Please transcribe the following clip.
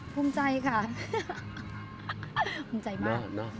ภูมิใจค่ะภูมิใจมาก